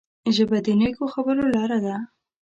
ژبه د نیکو خبرو لاره ده